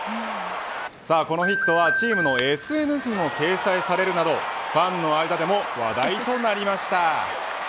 このヒットはチームのＳＮＳにも掲載されるなどファンの間でも話題となりました。